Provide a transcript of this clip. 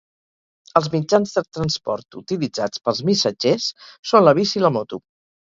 Els mitjans de transport utilitzats pels missatgers són la bici i la moto.